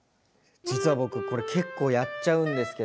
実は僕これ結構やっちゃうんですけど。